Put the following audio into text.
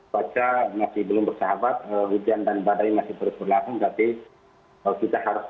cuaca masih belum bersahabat hujan dan badai masih terus berlangsung tapi kita harus